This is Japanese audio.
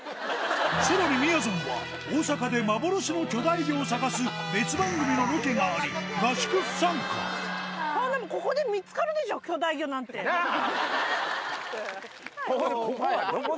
さらにみやぞんは大阪で幻の巨大魚を探す別番組のロケがあり合宿不参加なっ！